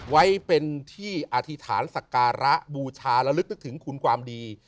ไว้เป็นที่อธิษฐานสักการะบูชาและลึกนึกถึงคุณความดี